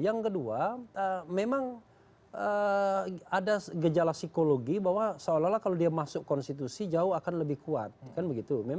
yang kedua memang ada gejala psikologi bahwa seolah olah kalau dia masuk konstitusi jauh akan lebih kuat kan begitu